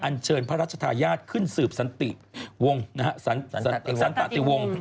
อนเชิญพระรัชทายาทขึ้นสืบศรัตนิวงศรัติวง